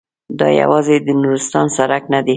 دا یوازې د نورستان سړک نه دی.